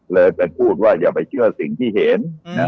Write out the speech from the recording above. เลยไปพูดว่าอย่าไปเชื่อสิ่งที่เห็น